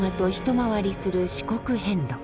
回りする四国遍路。